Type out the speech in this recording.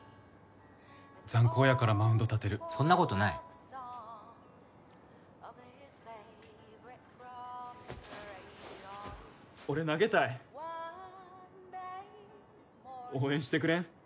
ザン高やからマウンド立てるそんなことない俺投げたい応援してくれん？